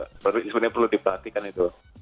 sebenarnya perlu diperhatikan itu